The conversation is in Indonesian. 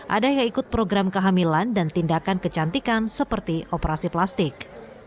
ada yang ikut program kehamilan dan tindakan kecantikan seperti operasi plastik